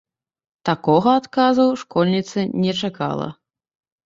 Такога адказу школьніца і не чакала.